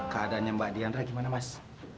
keadaan mbak dhandra gimana mas